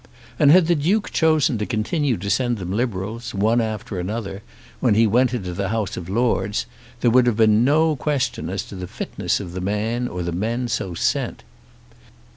And had the Duke chosen to continue to send them Liberals, one after another, when he went into the House of Lords, there would have been no question as to the fitness of the man or men so sent.